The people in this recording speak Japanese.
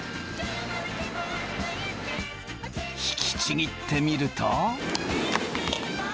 引きちぎってみると。